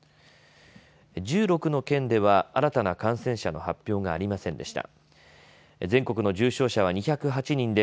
１６の県では新たな感染者の発表がありませんでした。